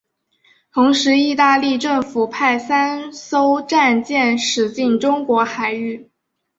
同时意大利政府派三艘战舰驶进中国海域。